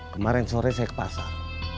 kemarin sore saya ke pasar